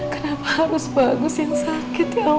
kenapa harus bagus yang sakit ya allah